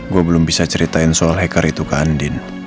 gue belum bisa ceritain soal hacker itu ke andin